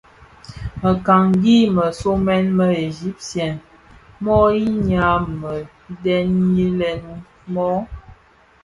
Mëkangi më somèn më Egyptien mo yinnya mëdhèliyèn no?